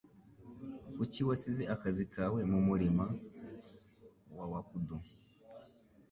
Kuki wasize akazi kawe mu murima? (wwkudu)